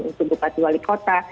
untuk bupati wali kota